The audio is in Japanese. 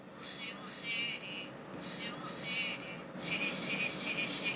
おしおしりしりしりしりしり